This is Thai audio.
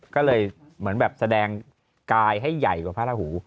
ก็เลยเหมือนแบบแสดงกายให้ใหญ่กว่าพระราหู